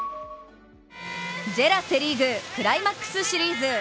セ・リーグ、クライマックスシリーズ。